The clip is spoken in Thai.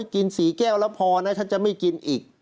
กิน๔แก้วแล้วพอนะถ้าจะไม่กินอีก